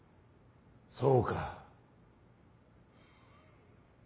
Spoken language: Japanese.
そうか。